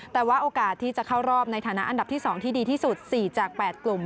แต่ว่าโอกาสที่จะเข้ารอบในฐานะอันดับที่๒ที่ดีที่สุด๔จาก๘กลุ่ม